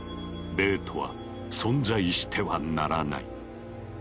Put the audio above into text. ベートは存在してはならない。